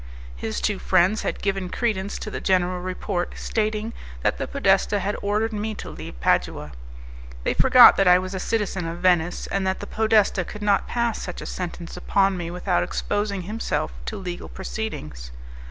His two friends had given credence to the general report, stating that the podesta had ordered me to leave Padua. They forgot that I was a citizen of Venice, and that the podesta could not pass such a sentence upon me without exposing himself to legal proceedings.